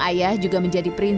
kalau bro ini dapet sulit asik